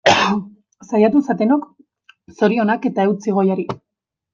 Saiatu zatenok, zorionak eta eutsi goiari!